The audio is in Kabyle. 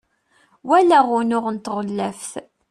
walaɣ unuɣ n tɣellaft